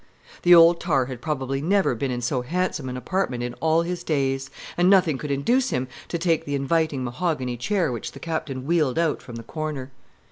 The old tar had probably never been in so handsome an apartment in all his days, and nothing could induce him to take the inviting mahogany chair which the Captain wheeled out from the corner.